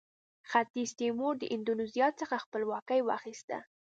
ختیځ تیمور د اندونیزیا څخه خپلواکي واخیسته.